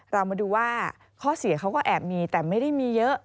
เรามาดูว่าข้อเสียเขาก็แอบมีแต่ไม่ได้มีเยอะ